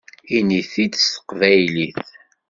Ini-t-id s teqbaylit!